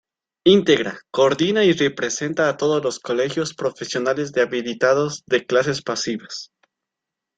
Integra, coordina y representa a todos los Colegios Profesionales de Habilitados de Clases Pasivas.